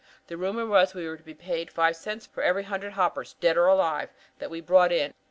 The rumor was we were to be paid five cents for every hundred hoppers, dead or alive, that we brought in.